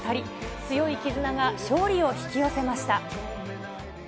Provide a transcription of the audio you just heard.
強い絆が勝利を引き寄せました。